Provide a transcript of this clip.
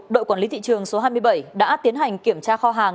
đội quản lý thị trường số hai mươi bảy đã tiến hành kiểm tra kho hàng